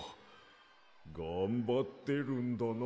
がんばってるんだな。